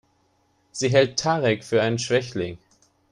Sie hält Tarek für einen Schwächling.